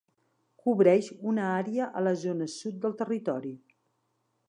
Cobreix un àrea a la zona sud del territori.